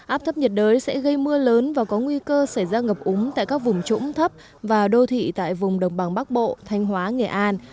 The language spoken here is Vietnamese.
áp thấp nhiệt đới sẽ gây mưa lớn và có nguy cơ xảy ra ngập úng tại các vùng trũng thấp và đô thị tại vùng đồng bằng bắc bộ thanh hóa nghệ an